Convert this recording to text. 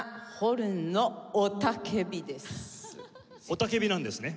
雄叫びなんですね。